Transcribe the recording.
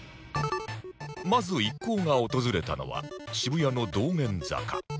まず一行が訪れたのは渋谷の道玄坂